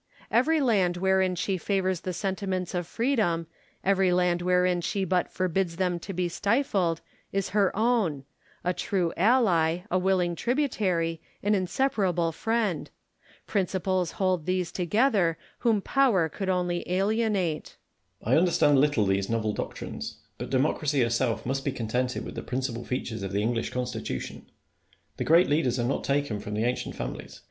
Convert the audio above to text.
Every land wherein she favours the sentiments of freedom, every land wherein she but forbids them to be stifled, is her own ; a true ally, a willing tributary, an inseparable friend. 144 r^^^A GIN A R V CONFERS A TIONS. Principles hold those together whom power could only alienate. Merino. I understand little these novel doctrines ; but Democracy herself must be contented with the principal features of the English Constitution. The great leaders are not taken from the ancient families.